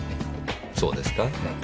そうですか？